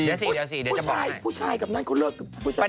เดี๋ยวก่อนเดี๋ยวจะบอกให้